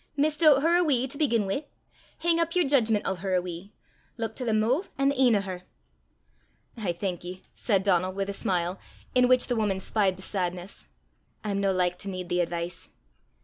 Misdoobt her a wee to begin wi'. Hing up yer jeedgment o' her a wee. Luik to the moo' an' the e'en o' her." "I thank ye," said Donal, with a smile, in which the woman spied the sadness; "I'm no like to need the advice."